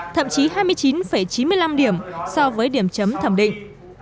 thậm chí hai mươi chín chín mươi năm điểm so với điểm chấm thẩm định